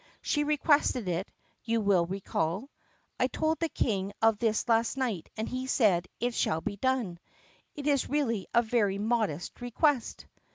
She requested it, you will recall. I told the King of this last night and he said, 'It shall be done. It is really a very modest request.